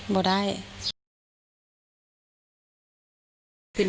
ไม่ได้หรอกนะ